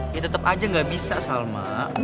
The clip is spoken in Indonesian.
ya tetep aja gak bisa salma